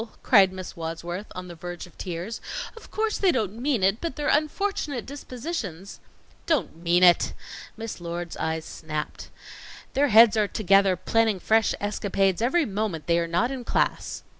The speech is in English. cried Miss Wadsworth, on the verge of tears. "Of course they don't mean it, but their unfortunate dispositions " "Don't mean it!" Miss Lord's eyes snapped. "Their heads are together planning fresh escapades every moment they are not in class."